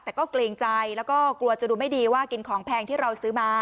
แต่ก็เกรงใจแล้วก็กลัวจะดูไม่ดีว่ากินของแพงที่เราซื้อมา